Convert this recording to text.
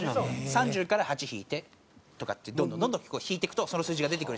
３０から８引いてとかってどんどんどんどん引いていくとその数字が出てくる。